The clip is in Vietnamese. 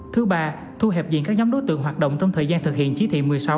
thứ ba thu hẹp diện các nhóm đối tượng hoạt động trong thời gian thực hiện chỉ thị một mươi sáu